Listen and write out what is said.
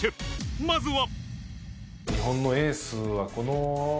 まずは。